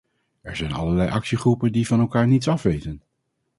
Er zijn allerlei actiegroepen die van elkaar niets afweten.